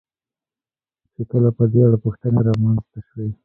چې کله په دې اړه پوښتنې را منځته شوې.